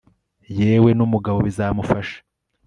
yewe n'umugabo bizamufasha